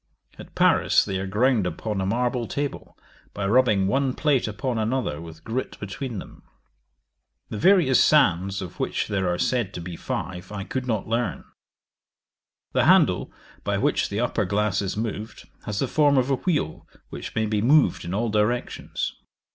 At Paris they are ground upon a marble table, by rubbing one plate upon another with grit between them. The various sands, of which there are said to be five, I could not learn. The handle, by which the upper glass is moved, has the form of a wheel, which may be moved in all directions.